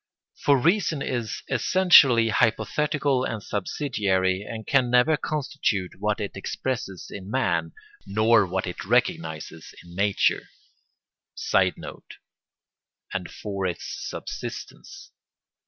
For reason is essentially hypothetical and subsidiary, and can never constitute what it expresses in man, nor what it recognises in nature. [Sidenote: and for its subsistence.